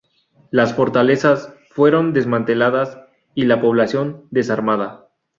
Las fortalezas fueron desmanteladas y la población desarmada.